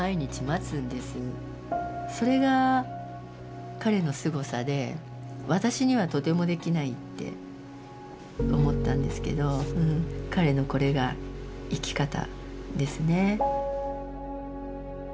それが彼のすごさで私にはとてもできないって思ったんですけど彼のこれが生き方ですね。